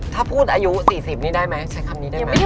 ถ้าพูดอายุ๔๐นี่ได้ไหมใช้คำนี้ได้ไหม